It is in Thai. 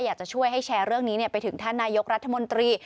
อยากจะช่วยให้แชร์เรื่องนี้ไปถึงท่านนายกรัฐมนตรี